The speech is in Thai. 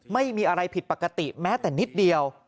ไม่มีอะไรผิดปกติแม้แต่นิดเดียว